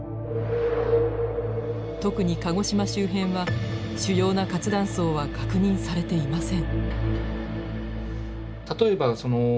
特に鹿児島周辺は主要な活断層は確認されていません。